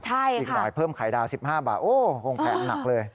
อีกหน่อยเพิ่มไข่ดาว๑๕บาทโอ้คงแพงหนักเลย